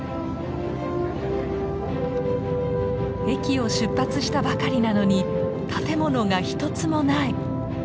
駅を出発したばかりなのに建物が一つもない。